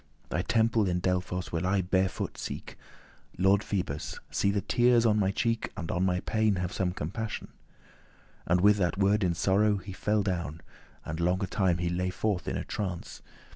Thy temple in Delphos will I barefoot seek. Lord Phoebus! see the teares on my cheek And on my pain have some compassioun." And with that word in sorrow he fell down, And longe time he lay forth in a trance.